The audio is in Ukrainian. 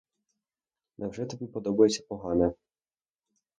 Невже тобі подобається погане?